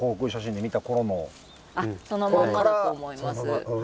そのまんまだと思います。